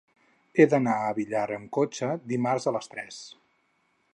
He d'anar al Villar amb cotxe dimarts a les tres.